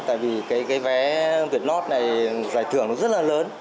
tại vì cái vé việt lót này giải thưởng nó rất là lớn